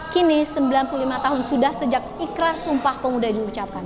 kini sembilan puluh lima tahun sudah sejak ikrar sumpah pemuda diucapkan